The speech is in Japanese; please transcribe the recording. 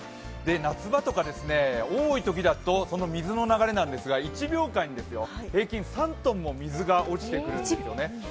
夏場とか多いときだと水の流れなんですが、１秒間に平均３ｔも水が落ちてくるんですよね。